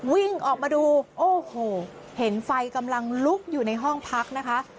วิ่งออกมาดูโอ้โหเห็นไฟกำลังลุกอยู่ในห้องพักนะคะ